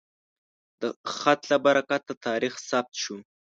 د خط له برکته تاریخ ثبت شو.